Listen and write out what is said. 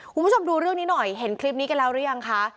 คุณผู้ชมดูเรื่องนี้หน่อยเห็นคลิปนี้กันแล้วหรือยังคะ